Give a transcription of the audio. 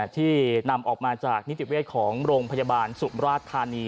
ที่นำออกมาจากนิติเวชของโรงพยาบาลสุมราชธานี